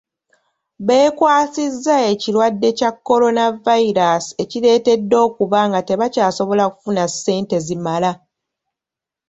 Bekwasiza ekirwadde kya coronavirus ekireetedde okuba nga tebakyasobola kufuna sente zimala.